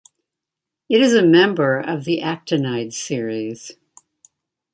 It is a member of the actinide series.